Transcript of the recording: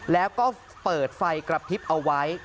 แล้วก็เปิดไฟกระพริบเอาไว้